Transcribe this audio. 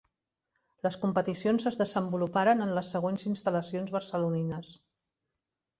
Les competicions es desenvoluparen en les següents instal·lacions barcelonines.